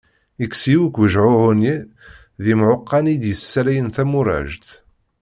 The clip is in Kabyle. Yekkes-iyi akk wejɛuɛu-nni d yemɛuqan i d-yessalayen tamurejt.